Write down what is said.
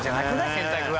洗濯は。